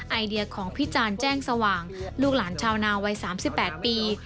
ไอเดียของพิจารณ์แจ้งสว่างลูกหลานชาวนาวัย๓๘ปี